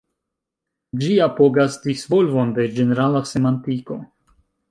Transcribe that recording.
Ĝi apogas disvolvon de ĝenerala semantiko.